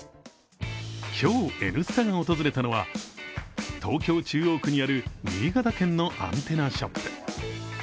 今日、「Ｎスタ」が訪れたのは東京・中央区にある新潟県のアンテナショップ。